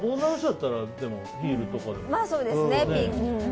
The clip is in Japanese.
まあ、そうですね。